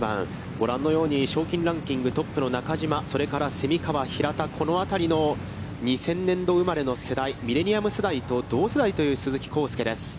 ご覧のように、賞金ランクトップの中島、それから蝉川、平田、この辺りの２０００年度生まれの世代、ミレニアム世代と同世代という鈴木晃祐です。